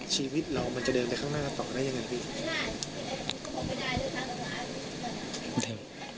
ชีวิตเรามันจะเดินไปข้างหน้าต่อได้ยังไง